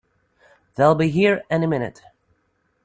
They'll be here any minute!